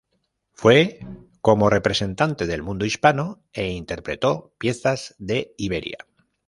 Fue como representante del mundo hispano e interpretó piezas de Iberia.